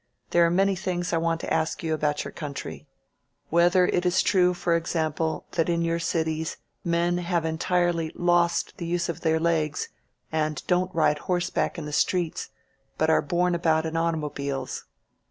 There are many things I want to ask you about your country — ^whether it is 241 INSURGENT MEXICO true, for example, that in your cities men have entirely lost the use of their legs and don't ride horseback in the streets, but are borne about in automobiles.